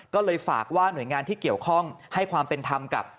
ก็เลยฝากว่าหน่วยงานที่เกี่ยวข้องให้ความเป็นธรรมกับ